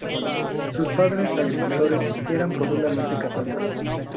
Sus padres, agricultores, eran profundamente católicos.